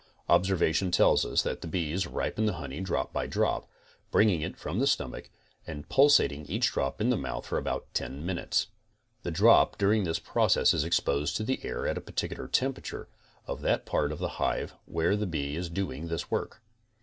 Observation tells us that the bees ripen the honey drop by drop, bringing it from the storuach and pulsating each drop in the mouth for about ten minutes.t The drop during this process is exposed to the air at the particular temperature of that part of the hive where the bee is doing this work.